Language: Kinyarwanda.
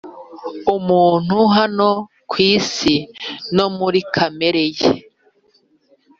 umuntu hano ku isi no muri kamere ye